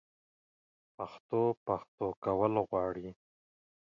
پښتو؛ پښتو کول غواړي